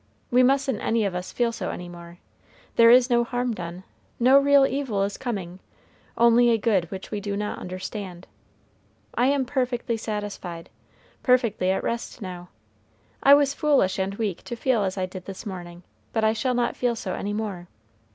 "We mustn't any of us feel so any more. There is no harm done, no real evil is coming, only a good which we do not understand. I am perfectly satisfied perfectly at rest now. I was foolish and weak to feel as I did this morning, but I shall not feel so any more.